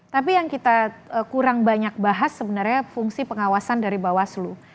tapi yang kita kurang banyak bahas sebenarnya fungsi pengawasan dari bawaslu